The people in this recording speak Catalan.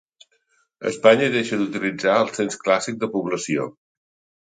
Espanya deixa d'utilitzar el cens clàssic de població.